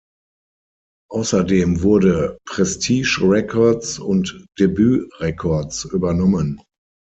Außerdem wurde Prestige Records und Debut Records übernommen.